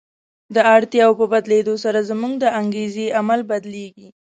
د اړتیاوو په بدلېدو سره زموږ د انګېزې عامل بدلیږي.